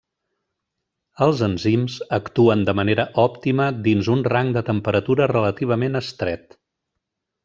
Els enzims actuen de manera òptima dins un rang de temperatura relativament estret.